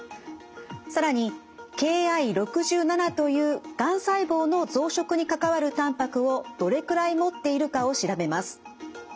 更にＫｉ６７というがん細胞の増殖に関わるたんぱくをどれくらい持っているかを調べます。